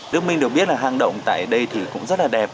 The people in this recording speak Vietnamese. đức minh được biết là hang động tại đây thì cũng rất là đẹp